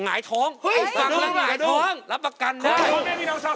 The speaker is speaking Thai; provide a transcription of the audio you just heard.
หงายท้องฝังหลังหงายท้องรับประกันได้เฮ้ยเดี๋ยวดู